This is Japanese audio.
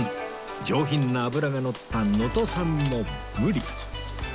上品な脂がのった能登産のブリ